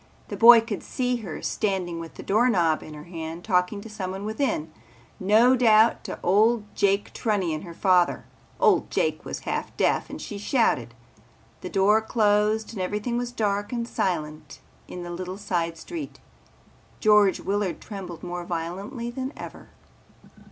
The boy could see her standing with the doorknob in her hand talking to someone within, no doubt to old Jake Trunnion, her father. Old Jake was half deaf and she shouted. The door closed and everything was dark and silent in the little side street. George Willard trembled more violently than ever.